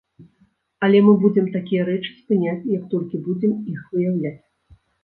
Але мы будзем такія рэчы спыняць, як толькі будзем іх выяўляць.